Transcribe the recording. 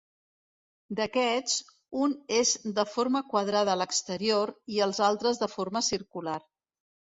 D'aquests, un és de forma quadrada a l'exterior i els altres de forma circular.